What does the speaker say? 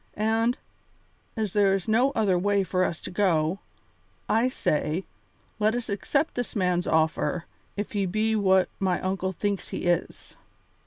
And, as there is no other way for us to go, I say, let us accept this man's offer if he be what my uncle thinks he is.